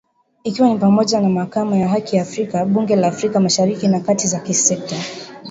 Ikiwa ni pamoja na Mahakama ya Haki ya Afrika, Bunge la Afrika Mashariki na kamati za kisekta.